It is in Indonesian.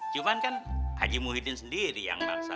cuman kan haji muhyiddin sendiri yang bangsa